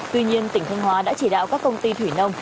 tuy nhiên tỉnh thanh hóa đã chỉ đạo các công ty thủy nông